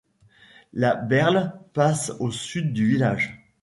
La Berle passe au sud du village.